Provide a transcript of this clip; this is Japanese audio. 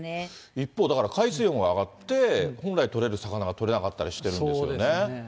一方だから、海水温が上がって、本来取れる魚が取れなかったりしてるんですよね。